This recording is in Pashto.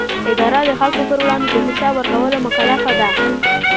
اداره د خلکو پر وړاندې د حساب ورکولو مکلفه ده.